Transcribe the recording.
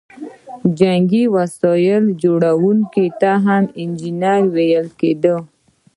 جنګي وسایل جوړوونکو ته هم انجینر ویل کیده.